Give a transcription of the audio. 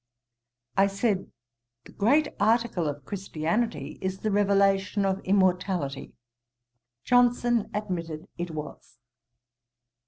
"' I said, the great article of Christianity is the revelation of immortality. Johnson admitted it was.